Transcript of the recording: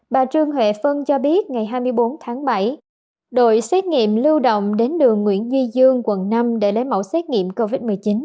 bà trương huệ phân cho biết ngày hai mươi bốn tháng bảy đội xét nghiệm lưu động đến đường nguyễn duy dương quận năm để lấy mẫu xét nghiệm covid một mươi chín